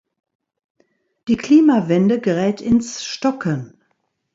Die Klimawende gerät ins Stocken.